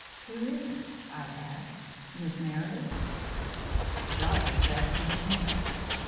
"Who is it?" I asked. "Miss Meredith?" The doctor pressed my hand.